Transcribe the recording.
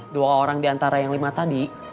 dua orang diantara yang lima tadi